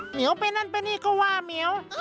เหี่ยวไปนั่นไปนี่ก็ว่าเหมียว